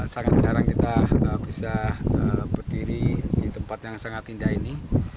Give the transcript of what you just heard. sangat jarang kita bisa berdiri di tempat yang sangat indah ini